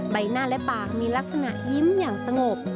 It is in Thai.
ใบหน้าและปากมีลักษณะยิ้มอย่างสงบ